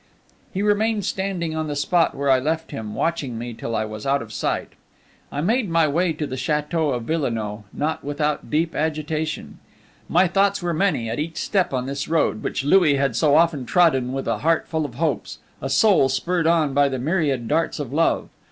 He remained standing on the spot where I left him, watching me till I was out of sight. I made my way to the chateau of Villenoix, not without deep agitation. My thoughts were many at each step on this road, which Louis had so often trodden with a heart full of hopes, a soul spurred on by the myriad darts of love.